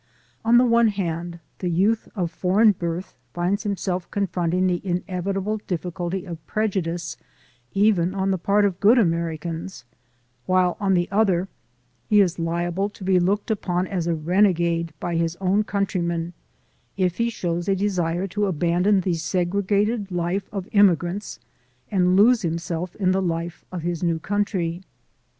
On the one hand, the youth of foreign birth finds himself con fronting the inevitable difficulty of prejudice even on the part of good Americans, while on the other he is liable to be looked upon as a renegade by his own countrymen if he shows a desire to abandon the segregated life of immigrants and lose himself in the life of his new country.